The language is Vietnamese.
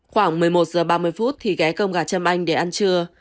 khoảng một mươi một h ba mươi phút thì ghé cơm gà châm anh để ăn trưa